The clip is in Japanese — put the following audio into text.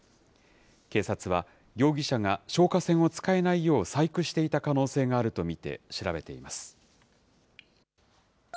警察は、容疑者が消火栓を使えないよう細工していた可能性があると見て調べています。